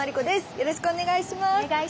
よろしくお願いします。